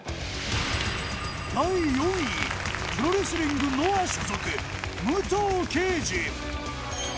第４位プロレスリング・ノア所属武藤敬司。